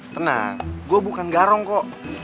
tenang gue bukan garong kok